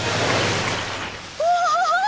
うわ！